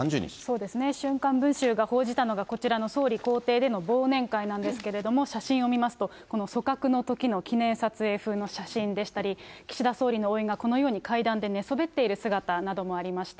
そうですね、週刊文春が報じたのが、こちらの総理公邸での忘年会なんですけれども、写真を見ますと、組閣のときの記念撮影風の写真でしたり、岸田総理のおいが、このように階段で寝そべっている姿などもありました。